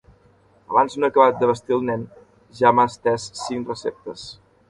Abans no he acabat de vestir el nen ja m'ha estès cinc receptes.